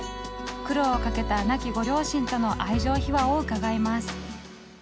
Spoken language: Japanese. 苦労をかけた亡きご両親との愛情秘話を伺います。